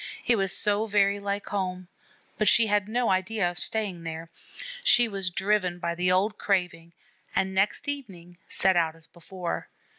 It was so very like home; but she had no idea of staying there. She was driven by the old craving, and next evening set out as before.